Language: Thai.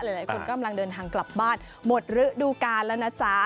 หลายคนกำลังเดินทางกลับบ้านหมดฤดูกาลแล้วนะจ๊ะ